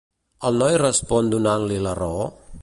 El noi respon donant-li la raó?